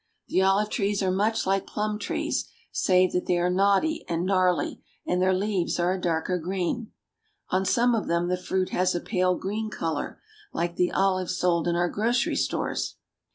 The olive trees are much like plum trees, save that they are knotty and gnarly, and their leaves are a darker green. On some of them the fruit has a pale green color like the olives sold in our grocery stores.